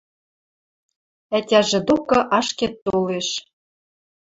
Ӓтяжӹ докы ашкед толеш